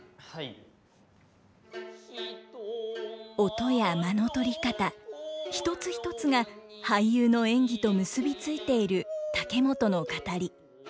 音や間の取り方一つ一つが俳優の演技と結び付いている竹本の語り。